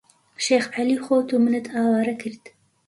شێخ عەلی خۆت و منت ئاوارە کرد